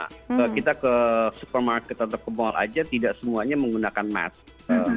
kalau kita ke supermarket atau ke mall saja tidak semuanya menggunakan mask